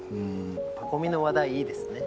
パコ美の話題いいですね。